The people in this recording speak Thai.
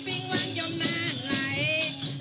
ฟิงวังยมนานไหล